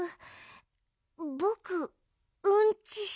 ぼくうんちしたい。